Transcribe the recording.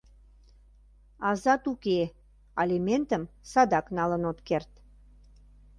Азат уке, алиментым садак налын от керт...